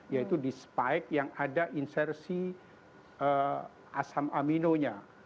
yaitu di spike yang ada insersi asam aminonya